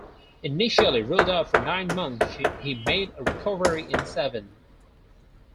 Initially ruled out for nine months, he made a recovery in seven.